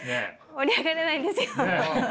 盛り上がれないんですよ。